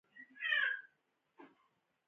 دواړه د ګډ ژوند په لور د حرکت دلایل وي.